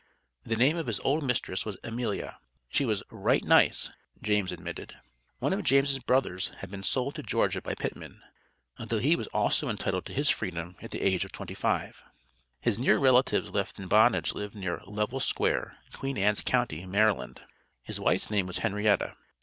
The name of his old mistress was Amelia. She was "right nice," James admitted. One of James' brothers had been sold to Georgia by Pittman, although he was also entitled to his Freedom at the age of twenty five. His near relatives left in bondage lived near Level Square, Queen Ann's county, Maryland. His wife's name was Henrietta.